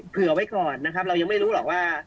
เผื่อไว้ก่อนนะครับเรายังไม่รู้หรอกว่า